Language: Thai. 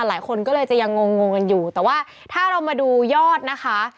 หลายคนก็เลยจะยังงงงกันอยู่แต่ว่าถ้าเรามาดูยอดนะคะ